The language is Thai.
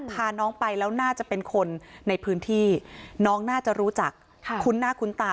พาน้องไปแล้วน่าจะเป็นคนในพื้นที่น้องน่าจะรู้จักคุ้นหน้าคุ้นตา